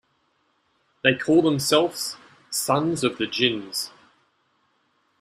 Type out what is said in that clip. They call themselves sons of the Jinns.